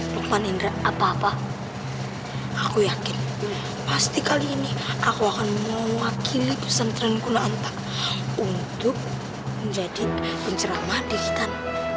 lukman indra apa apa aku yakin pasti kali ini aku akan mewakili pesantren kuna anta untuk menjadi penceramah digital